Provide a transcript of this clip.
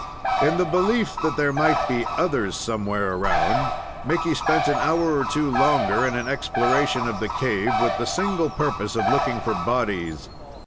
In the belief that there might be others somewhere around, Mickey spent an hour or two longer in an exploration of the cave, with the single purpose of looking for bodies.